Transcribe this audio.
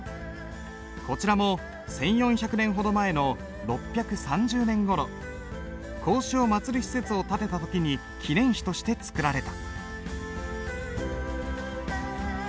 こちらも１，４００年ほど前の６３０年ごろ孔子を祭る施設を建てた時に記念碑として作られた。